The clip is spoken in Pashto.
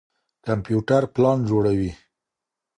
کمپيوټر پلان جوړوي.